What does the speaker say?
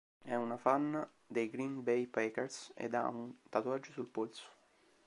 È una fan dei Green Bay Packers ed ha un tatuaggio sul polso.